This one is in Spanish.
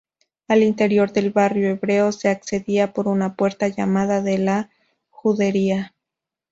Al interior del barrio hebreo se accedía por una puerta llamada de la Judería.